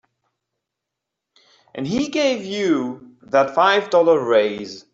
And he gave you that five dollar raise.